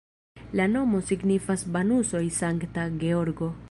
La nomo signifas Banusoj-Sankta Georgo.